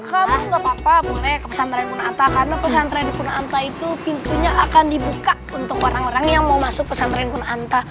kamu gapapa boleh ke pesantren kunaanta karena pesantren kunaanta itu pintunya akan dibuka untuk orang orang yang mau masuk pesantren kunaanta